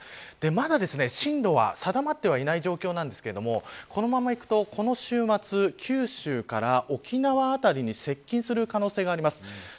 まだ進路は定まっていない状況ですがこのままいくとこの週末、九州から沖縄辺りに接近する可能性があります。